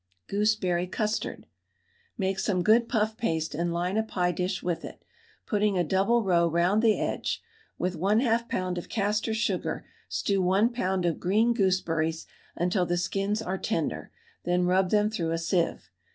GOOSEBERRY CUSTARD. Make some good puff paste and line a pie dish with it, putting a double row round the edge. With 1/2 lb. of castor sugar stew 1 lb. of green gooseberries until the skins are tender, then rub them through a sieve.